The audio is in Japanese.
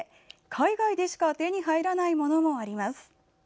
海外でしか手に入らないものもあります。